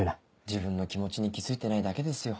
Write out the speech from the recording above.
自分の気持ちに気付いてないだけですよ。